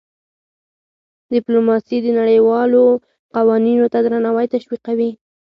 ډيپلوماسي د نړیوالو قوانینو ته درناوی تشویقوي.